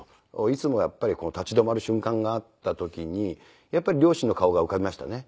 いつも立ち止まる瞬間があった時にやっぱり両親の顔が浮かびましたね。